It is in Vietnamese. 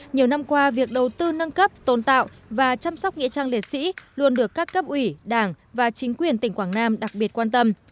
nhiều năm qua việc đầu tư nâng cấp tôn tạo và chăm sóc nghĩa trang liệt sĩ luôn được các cấp ủy đảng và chính quyền tỉnh quảng nam đặc biệt quan tâm